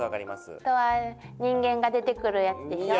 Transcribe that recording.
あとは人間が出てくるやつでしょ。